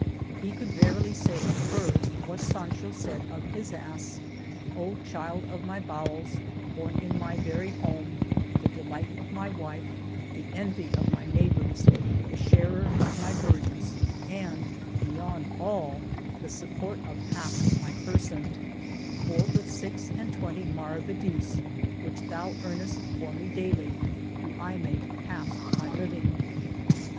He could verily say of her what Sancho said of his ass :*' O child of my bowels, born in 77 The Cave of Montesinos my very home, the delight of my wife, the envy of my neighbors, the sharer of my burdens, and, beyond all, the support of half my person ; for, with six and twenty maravedis, which thou earnest for me daily, do I make half my living."